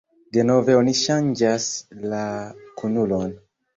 "Denove oni ŝanĝas la kunulon."